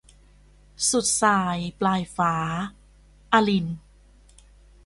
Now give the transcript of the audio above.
สุดทราย ปลายฟ้า - อลินน์